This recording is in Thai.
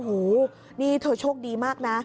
หูนี่เธอโชคดีมากนะ